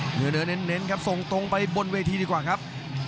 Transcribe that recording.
เหนือเน้นครับส่งตรงไปบนเวทีดีกว่าครับ